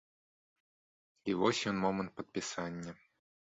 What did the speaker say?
І вось ён момант падпісання.